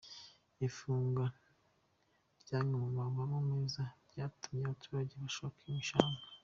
Ifungwa ry’amwe mu mavomo meza ryatumye abaturage bashoka ibishanga